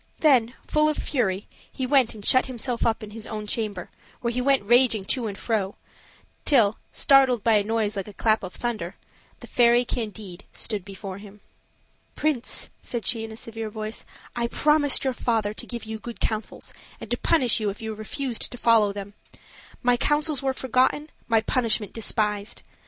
Then, full of fury, he went and shut himself up in his own chamber, where he went raging to and fro, till startled by a noise like a clap of thunder. The fairy Candide stood before him. "Prince," said she, in a severe voice, "I promised your father to give you good counsels and to punish you if you refused to follow them. My counsels were forgotten, my punishment despised.